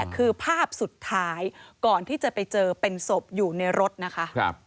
คือภาพสุดท้ายก่อนที่จะไปเจอเป็นศพอยู่ในรถนะคะ